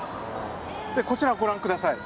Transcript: こちらご覧下さい。